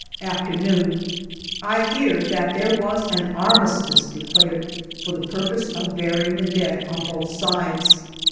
Afternoon. I hear that there was an armistice declared for the pur pose of burying the dead of both sides.